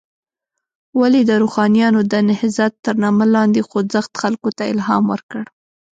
ولې د روښانیانو د نهضت تر نامه لاندې خوځښت خلکو ته الهام ورکړ.